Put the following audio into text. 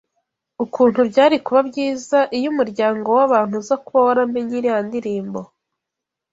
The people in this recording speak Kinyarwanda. ukuntu byari kuba byiza iy’umuryango w’abantu uza kuba waramenye iriya ndirimbo